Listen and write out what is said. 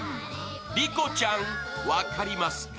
莉子ちゃん、分かりますか？